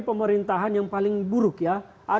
pemerintahan yang paling buruk ya